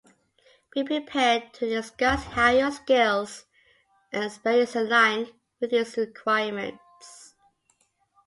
Be prepared to discuss how your skills and experience align with these requirements.